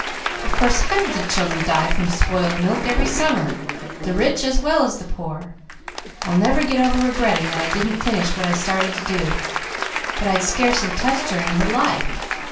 Of course hundreds of children die from spoiled milk every summer, the rich as well as the poor. I'll never get over regretting that I didn't finish what I started to do; but I'd scarcely touched her in her life.